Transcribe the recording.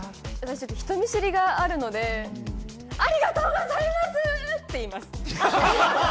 私、人見知りがあるので、ありがとうございます！って言います。